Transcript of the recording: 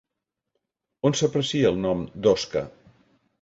On s'aprecia el nom d'«OSCA»?